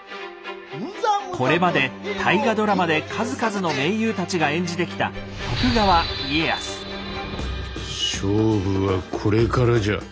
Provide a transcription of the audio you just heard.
これまで大河ドラマで数々の名優たちが演じてきた勝負はこれからじゃ。